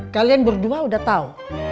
kalian berdua udah tau